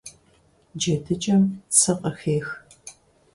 ДжэдыкӀэм цы къыхех.